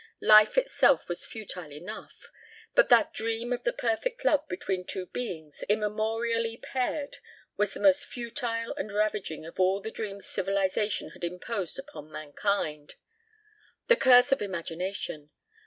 Life itself was futile enough, but that dream of the perfect love between two beings immemorially paired was the most futile and ravaging of all the dreams civilization had imposed upon mankind. The curse of imagination.